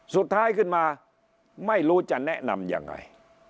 สุดท้ายขึ้นมาไม่รู้จะแนะนำยังไง